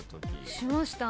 しました。